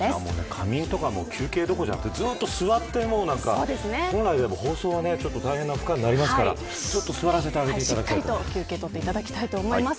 仮眠とか休憩どころじゃなくてずっと座って放送は大変な負荷になりますからちょっと座らせてあげていただきたいと思います。